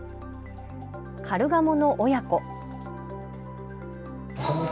カルガモの親子。